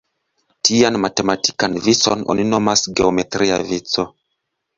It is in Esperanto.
Tian matematikan vicon oni nomas geometria vico.